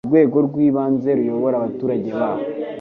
urwego rwibanze ruyobora abaturage baho